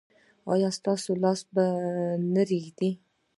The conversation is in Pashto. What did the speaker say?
ایا ستاسو لاس به نه ریږدي؟